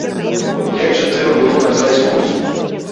Як жа трэба было назваць курс?